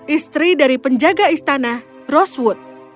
istri dari penjaga istana rosewood